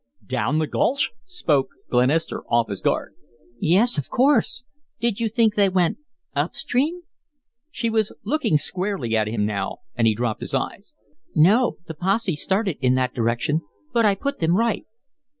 "DOWN the gulch!" spoke Glenister, off his guard. "Yes, of course. Did you think they went UP stream?" She was looking squarely at him now, and he dropped his eyes. "No, the posse started in that direction, but I put them right."